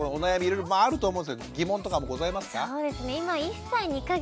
いろいろあると思うんですけど疑問とかもございますか？